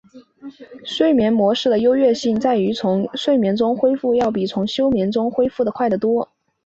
睡眠模式的优越性在于从睡眠中恢复要比从休眠中恢复快得多。